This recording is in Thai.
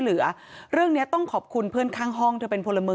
เหลือเรื่องเนี้ยต้องขอบคุณเพื่อนข้างห้องเธอเป็นพลเมือง